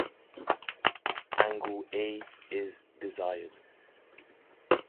Angle A is desired.